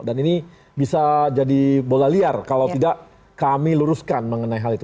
dan ini bisa jadi bola liar kalau tidak kami luruskan mengenai hal itu